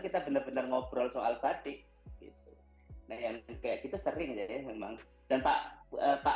kita benar benar ngobrol soal batik gitu nah yang kayak gitu sering jadi memang dan pak pak